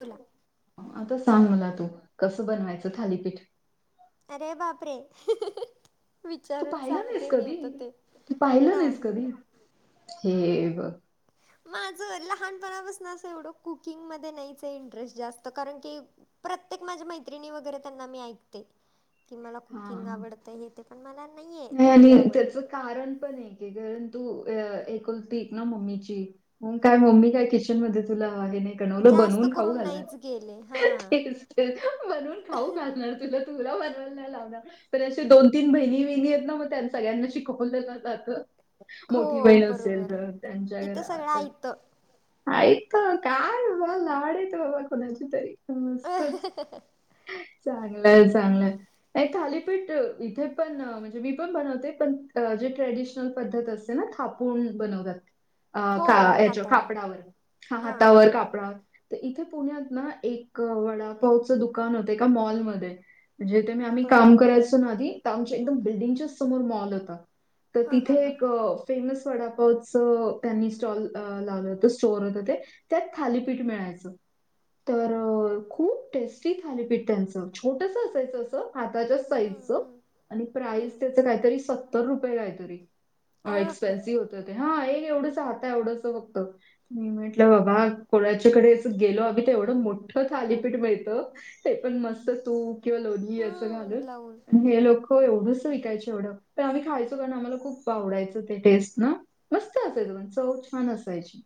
तुला आता सांग मला तू कंस बनवायचं थालीपीठ! अरे बापरे! हहहह तू विचारून पाहिलं नाहीस सांगते. मी कधी? आता ते नाही. हं बघ माझं लहानपणापासून असं एवढं कुकिंगमध्ये नाहीचे हे इंटरेस्ट जास्त कारण की प्रत्येक माझ्या मैत्रिणी वगैरे त्यांना मी ऐकते की मला कुकिंग हां. आवडते. हे ते पण मला नाहीये. नाही आणि त्याच कारण पण आहे. की कारण तू एकुलती एक ना मम्मीची मग काय मम्मी काय किचन मध्ये तुला हे नाही. नवरा जास्त बनून खाऊ करून घालणार. नाहीच गेले हहह हां तेच बनवून खाऊ घालणार तुला तुला बनवायला नाही. लावणार तर अशा दोन तीन बहिणी बहिणी मग त्यां सगळ्यांना शिकवून दिला जात. मोठी हो बहीण असेल. बरोबर तर त्यांच्या आहे इथं घरात सगळं तर ऐतं आय क काय बाबा लाड आहे. कोणाचे तरी बाबा कोणाचे तरी मस्तच. चांगलंय, चांगलंय नाही. थालीपीठ इथे पण म्हणजे मी पण बनवते. पण जे ट्रेडिशनल पद्धत असते ना थापून बनवतात. अ का हो याच्या हाताने कापडावर हा हां हातावर हां कापडावर तर इथे पुण्यात ना एक वडापावचं दुकान होत. एका मॉलमध्ये जिथे आम्ही बरं काम करायचो. ना आधी तर आमच्या एकदम बिल्डिंगच्याच समोर मॉल होता. तर हां तिथे हां हां एक अ फेमस वडापावच त्यांनी स्टॉल लावलं होत. स्टोअर होतं ते त्यात थालीपीठ मिळायचं! तर खूप टेस्टी थालीपीठ त्याचं छोटस असायचं. हाताच्या हम्म, साईजच हम्म, प्राईस हम्म. त्याच काय तरी सत्तर रुपये काय तरी अ अरे बापरे एक्सपेन्सिव हा एक एवढंच हाता एवढंस फक्त मी म्हटलं बाबा कोणाच्याकडे गेलो आम्ही तर एवढं मोठं थालीपीठ मिळतं. ते पण मस्त तूप किंवा लोणी असं हम्म लावून घालून हे लोक हो एवडूस विकायच एवढं, ते आम्ही खायचो कारण आम्हाला खूप आवडायचं ते टेस्ट ना. मस्त असायच पण, चव छान असायची.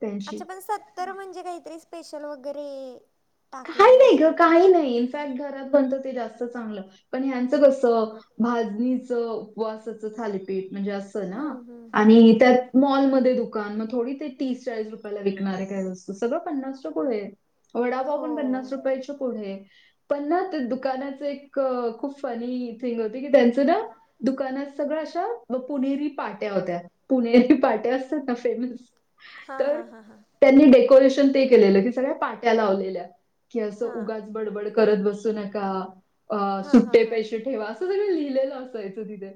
त्यांची. अच्छा! पण सत्तर म्हणजे काहीतरी स्पेशल वगैरे काही टाकलेलं नाही ग, असेल का? काही नाही. इन्फॅक्ट घरात बनत ते जास्त चांगलं पण ह्यांचं कसं? भाजणीच, उपवासाचं थालेपीठ म्हणजे अस [unintelligible] ना हं, हं, हं, आणि हं. त्यात मॉलमध्ये दुकान मग थोडी ते तीस चाळीस रुपयाला विकणारे काय वस्तु सगळं पन्नास च्या पुढे. वडापाव पण हो. पन्नास रुपयाचे पुढे. पण ना ते दुकानाच एक खूप फनी थिंग होती की त्यांचं ना दुकानात सगळं अशा पुणेरी पाट्या होत्या पुणेरी पाट्या असतात ना फेमस हां, तर हां, हां, हां. त्यांनी डेकोरेशन ते केलेलं की सगळ्या पाट्या लावलेल्या की असं हां. उगाच बडबड करत बसू नका. अ हां, हां, सुट्टे हां. पैसे ठेवा. सगळं लिहिलेलं असायचं तिथे.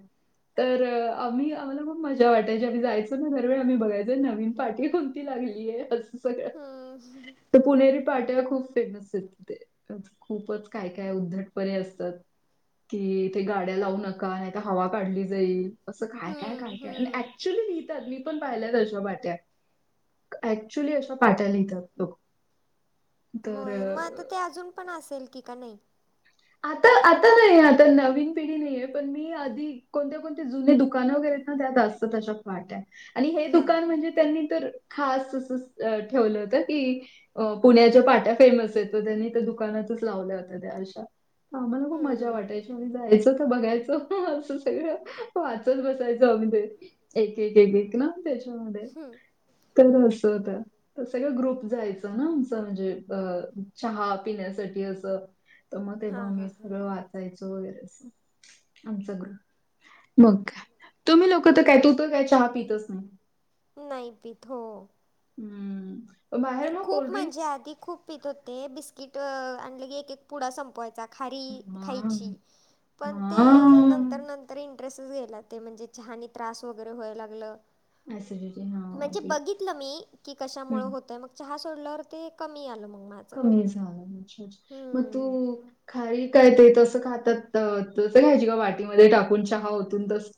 तर आम्ही आम्हाला पण मजा वाटायची आम्ही जायचो ना दर वेळ आम्ही बघायचो नवीन पाठी हून ती लागलीये अस सगळे हम्म! हह! त्या पुणेरी पाट्या खूप फेमस ये ते. खूपच काय काय उद्धटपणे असतात. कि इथे गाड्या लावू नका. नाही तर हवा काढली जाईल. असं काय काय काय हं, काय आणि हं. ऍक्च्युली लिहितात मी मी पण पाहिल्यात अशा पाट्या, ऍक्च्युली अशा पाट्या लिहितात लोक. होय मग आता तर ते अजून पण असेल की, का नाही. आता आता नाही आता नवीन पिढी नाहीये पण मी आधी कोणत्या कोण तते जुने दुकानं वगैरेे येत ना त्यात असतांत अश्या पाट्या. आणि हे हां, दुकान हां. म्हणजे, त्यांनी तर खास अस ठेवलं होत की, अ पुण्याच्या पाट्या फेमस येत तर त्यांनी त्या दुकानातच लावल्या होत्या त्या अश्या. आम्हाला खूप मजा हं, वाटायची आणि जायचं तर बघायचं असं सगळं वाचत बसायचं. [inaudible] एक एक एक एक ना त्याच्यामध्ये हं. तर असं होत. तर सगळं ग्रुप जायचा ना आमचा म्हणजे अ- चहा पिण्यासाठी असं. तर मग तेवा हां, आमी हां, हां. सगळं वाचायचो वगैरे अस. आमचं ग्रुप मग काय तुम्ही लोक तर काय तू तर काय चहा पितच नाही. नाही पित हो. हू नाही खूप म्हणजे आधी खूप पीत होते बिस्किट आणलं की एक एक पुडा संपवायचा. खारी हां. खायची पण ते नत नंतर हां. नंतर इंटरेस्टच गेला ते म्हणजे चहानी त्रास वगैरे व्हायला लागलं. ॲसिडिटी. हां. म्हणजे तुला बघितलं मी की कशामुळे हं. होत चहा सोडल्यावर वर ते कमी आलं मग माझ. कमी झालं अछा मग तू खारी काय ते तंस खातात तस खायची का वाटीमध्ये टाकून चहा ओतून तस.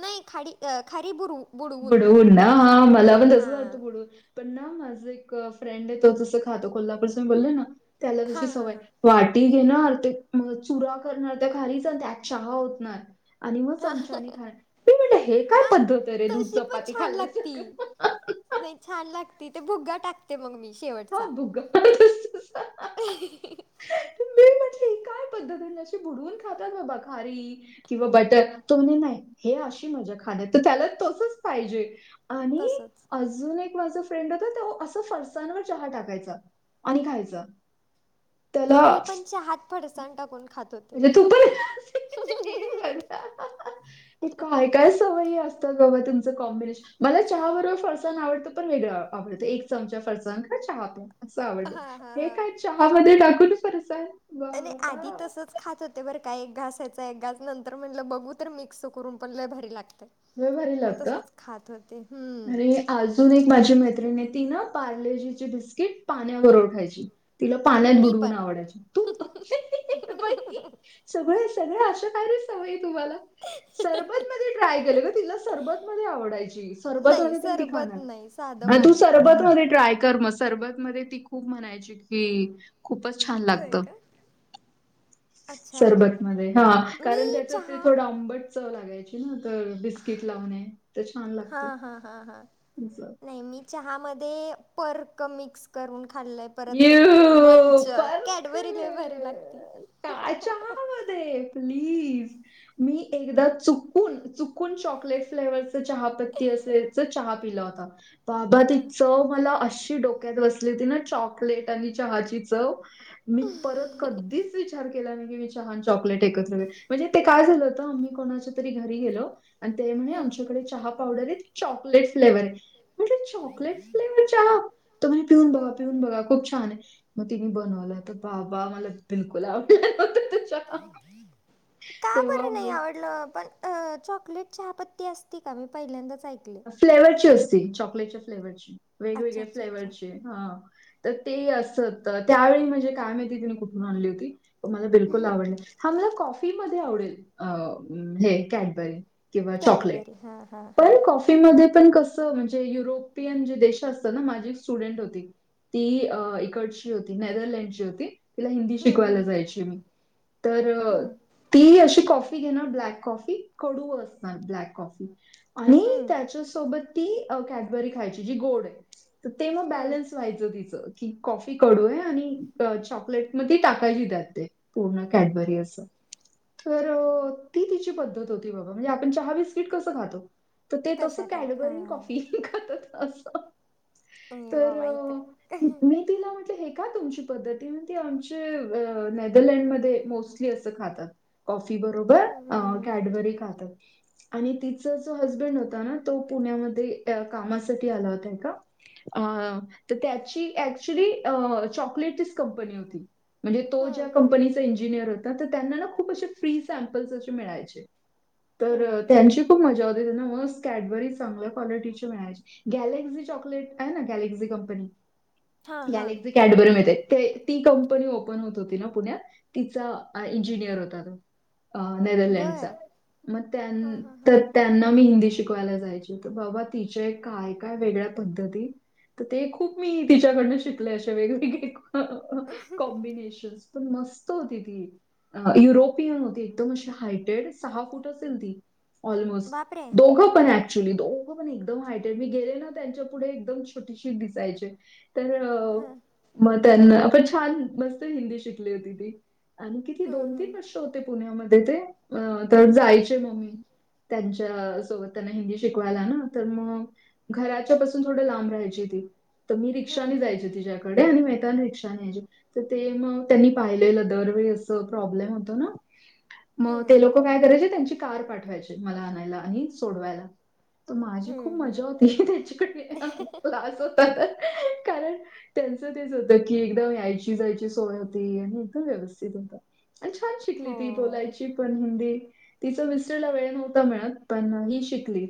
नाही खााडी अ खारी बुडू. बुडवून ना हा मला पण तसच आवडत हां बुडवून. पण ना माझा एक फ्रेंड आहे तो तसं खातो. कोलापूरचाये मी बोलले ना त्याला तशी हां हां सवय. हां वाटी घेणार ते मग चुरा करणार त्या खारीचा त्यात चहा होतणार. आणि मग चमचानी खानार. मी म्हटल हे काय पद्धत रे दूध ती पण चपाती छान लागती खाल्ल्यासारखं?" नाही छान लागती ते भुगा टाक ते मग मी हा शेवटचा भुगा. मी म्हटली ही काय पद्धत? अशी बुडवून खातात बाबा खारी. किंवा बटर तुला नाही माहित हे अशी मजा खाण्यात त्याला तसच पाहिजे. आणि तसंच अजून एक माझा फ्रेंड होता. तो असं फरसणवर चहा टाकायचा. आणि खायचा. त्याला आम्ही मी पण चहात फडसाण टाकून. खात होते. म्हणजे तू पण हे काय काय सवयी अस [unintelligible] मला चहा बरोबर फरसाण आवडतं पण वेगळां आपलं ते एक चमचा फरसाण का चहा पिऊन. असं आवडत हां हां हे हां. काय चहा मध्ये टाकून फरसाण नाही वाह! नाही आधी वाह! तसचं. खात होते बरं काय एक घास याचं एक घास, नंतर म्हटलं बघू तर मिक्स करून पण लय भारी लागतंय. लय भारी म लागतं. तसच खात होते. हम्म आणि अजून एक माझी मैत्रिने ती ना पार्लेजीची बिस्किट पाण्या बरोबर खायची. तिला पाण्यात मी बुडवून पण आवडायचे. तू सगळे- सगळे असं काय रे? सवई तुम्हाला सरबत मध्ये ड्रायफ्रूट तिला सरबत मध्ये आवडायची, नाही सरबतमध्ये ती सरबत खाणार. नाही साधं तू पाणी. सरबत मध्ये ट्राय कर मस्त. सरबत मध्ये ती खूप म्हणायची, की खूपच छान होय लागत. का? अच्छा सरबत मध्ये, ह मी कारण त्याच ते चहा थोडं अंबट. चव लागायची ना, तर बिस्किट लावणे तर छान लागते हां हां हां हां. ज. नाही मी चहामध्ये पर्क मिक्स करून खाल्लंय. परत यू मंच, पर्क कॅडबरी लय भारी लागती. काय चहामध्ये प्लीज मी एकदा चुूकून -चुकून चॉकलेट फ्लेवर्स. चहापती असलेला, चहापिलेला होता. बाबा ती च मला अशी डोक्यात. तबसली होती ना, चॉकलेट आणि चहा ची चव मी परत कधीचं विचार. केला मी चहा आणि चॉकलेट ऐकत्र म्हणजे, ते काय झालं होतं, आम्ही कोणाच्या तरी घरी गेलो. आणि ते म्हणे, हम्म आमच्याकडे चहा पावडर आहे. चॉकलेट फ्लेवर आहे. म्हणजे चॉकलेट फ्लेवर. चहा तुम्ही पिऊन हम्म. बघा- पिऊन बघा. खूप छान आहे. मग तिने बनवलं, तर बाबा मला बिल्कुल आवडलंनव्हतं ते चहा. [unintelligible] का बरं नाही आवडल. पण चॉकलेट ची चहापती असती, का मी पहिल्यांदाच ऐकले? फ्लेवरची असती, चॉकलेटच्या फ्लेवरची, अच्छा वेगवेगळ्या अच्छा अच्छा फ्लेवरची. हा तर ते अस होतं त्यावेळी म्हणजे काय माहिती? तिने कुठून आणली होती? मला बिल्कुल आवडल नाही, हा मला कॉफी मध्ये आवडेल अ हे कॅडबरी. किंवा चॉकलेट कॅडबरी हां हां पण हां कॉफी. मध्ये पण कस म्हणजे युरोपियन जे देश असतं ना माझी एक स्टुडंट होती. ती अ इकडची होती नेदरलँडची होती. तिला हिंदी हम्म, शिकवायला हम्म, जायची मी तर. हम्म, ती अशी. कॉफी घेणार ब्लॅक कॉफी, कडू असणार ब्लॅक कॉफी आणि. हम्म, त्याच्याोबत ती कॅडबरी खायची जी गोड आहे. तर ते मग हम्म. बलन्स व्हायचं तिचं. कि कॉफी कडूं आहे. आणि चॉकलेट मध्यें ती टाकायचं ची त्यांत ते पूर्ण कॅडबरी असं तरं ती तिची पद्धतं होती बघां म्हणजे आपणं चहा बिस्किट कसं खांतो? तरं ते तसं तशा टाईप कॅडबरीन हां कॉफी खातं असं त... ए बाबा रं इथं मी तिलां म्हटलं हे कां तुमची पद्धती ती आमचे नेदरलँडमध्यें मोस्टली असं खातांत कॉफी बरोबर हम्म, हम्म, कॅडबरी खातांत. आणि तिचं जो हजबंड होतं होतां नां..., तो पुण्यांमध्यें कामांसाठी आंला होतां एकां अं तरं त्यांची ऍक्च्युली चॉकलेटचीचं कंपनी होती. म्हणजे तो हम्म, ज्यां हम्म, हम्म, कंपनीचा इंजिनियर होता. तरं त्यांना खूंप असे फ्री सॅम्पल्स असे मिळायचे हम्म. तरं त्यांची खूंप मजां होती त्यांना मस्तं कॅडबरी चांगल्यां क्वालिटीची मिळांयची गॅलेक्सी चॉकलेट आहे नां गॅलेक्झी कंपनी हां हां गॅलेक्सी कॅडबरी मिळते ती कंपनी ओपन होतं होती नां पुण्यांत तिचां इंजिनियर होतां तो अं नेदरलँडचा बर हां हां हां मगं त्यांना मी हिन्दी शिकवते शिकवांयला जायंचे तरं बाबां तिचे कांय- कांय वेगळ्यां पद्धती तरं ते खूंप मी तिच्याकडून शिकले असे वेगवेगळे कॉम्बिनेशनस पणं मस्तं होती ती अं... युरोपियन होती एकदंम अशी हांयटेड, सहा फूंट असेल ती बापरे ऑलमोस्ट दोघं पणं ऍक्च्युली दोघं पणं एकदंम हायटे मी गेले नां त्यांच्या पुढे एकदंम छोटीशी दिसांयचे तरं हां मगं त्यांनां पणं छान मस्तं हिन्दी शिकली होती ती आणि किती हम्म, दोन तीनं हम्म, वर्ष हो पुण्यांमध्यें ते तरं हम्म, जायचे ममी त्यांच्या सोबतं त्यांना हिन्दी शिकवांयला नां तरं मगं घरांच्या पासूंन थोडं लांब राहांयची ती तरं मी हम्म, रिक्षाने हम्म, जायचं तिच्यांकडे आणि येतांना रिक्षाने यांयचे तरं ते मगं त्यांनी पाहिलेलं दरवेळी असं प्रॉब्लेम होतं नां मगं ते हम्म, लोकं कायं करायचे त्यांची कांर पाठवांयची मलां आणांयला आणि सोडवांयला. ते माझी खूंप हम्म, हम्म. मजां होती त्यांच्याकडे क्लांस होतां तरं त्यांचं तेचं होतं की एकदंम यांयची -जांयची सोय होती आणि एकदंम व्यवस्थित होतं. आणि छान शिकली हो ती बोलांयची पणं हिन्दी तिचं मिस्टरं लां वेळं नव्हतां मिळतं पणं ही शिकली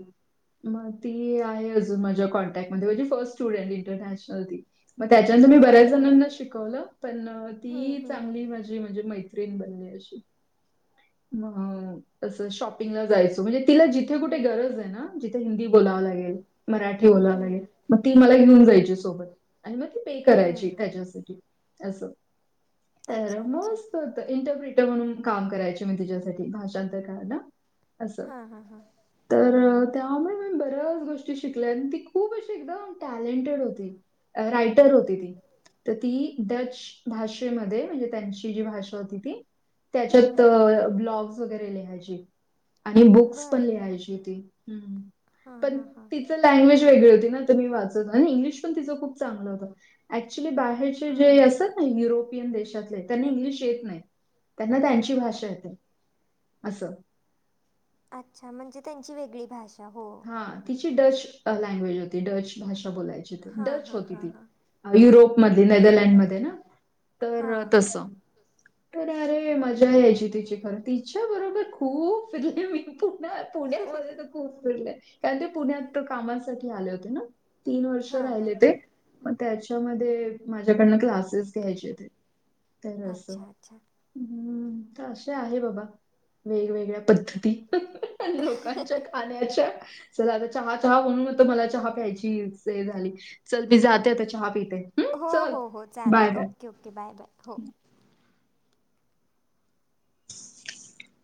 मगं ती आहे अजूंन माझ्यां कॉन्टॅक्ट मं माझी फर्स्ट स्टुडंट इंटरनॅशनल ती मगं त्यांच्यानंतर मी बर बऱ्यांच बर जणांना शिकवलं पणं हम्म, ती हम्म, चांगली माझी म्हणजे मै पणं असं शॉपिंगला जायचं तिला जिथं तिे कुंठे गरजं आहे नां जिथे हिंद बोलावंग मराठी हम्म, बोलावं हम्म, लागेल मगं ती मलां घेऊन जायची सोबतं आणि मगं ती पे करांयची हम्म. त्यांच्यासाठी असं तरं अच्छा अच्छा मस्तं होतं इंटरप्रिट म्हणूंन कामं करांयचे मी तुझ्यांसाठी भाषांतर कारलां हां हां हां तरं त्यांमुळे मी बऱ्यांच गोष्टी शिकल्यां ती खूपचं अशी एकदंम टॅलेंटेड होती रायटंर होती ती तरं ती डचं भाषेमध्यें म्हणजे त्यांची जी भाषा होती ती हं त्यांच्यांत हं हं ब्लॉ बुक वगैरे लिहायची आणि बुक्स बरं पण घ्यायची ती हम्मं हां पणं हां हां ती तर लँग्वेज वेगळी होती ना त मी वाचत आणि इंग्लिश पण तीच खूप चांगलं होतं एकच्युली बाहेर चे हां जे हां असतात ना युरोपियन देशातले त्यांना इंग्लिश येत नाही त्यांना त्यांची भाषा येते. असं अच्छा म्हणजे त्यांची वेगळी भाषा हो हा तिची डच लँग्वेज होती, डच भाषा बोलायची ती, हां डच हां होती हां ती. हां युरोप मध्ये हां नेदरलँडमध्ये ना हां तर तस तर अरे मजा यायची तिची फार, तिच्या बरोबर खूप फिरले मी, खूप नाही पुण्यामध्ये तर खूप फिरले कारण ते पुण्यात कामासाठी आले होते ना तीन वर्ष हां हां राहिले ते हां मग त्याच्यामध्ये माझ्याकडन क्लासेस घ्यायचे ते तर अस अच्छा अच्छा हम्म तर असे आहे बाबा वेगवेगळ्या पद्धती लोकांच्या खाण्याच्या तर, चल आता चहा चहा म्हणून तर मला चहा प्यायची हे झाली चल मी जाते आता मी चहा जाते. पिते हम्म, हो चल हो हो बाय चालत bye okay okay bye bye हो. थ